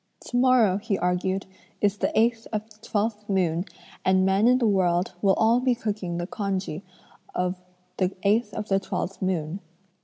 'Tomorrow,' he argued, 'is the eighth of the twelfth moon, and men in the world will all be cooking the congee of the eighth of the twelfth moon.